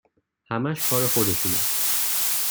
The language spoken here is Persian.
همش کار خودشونه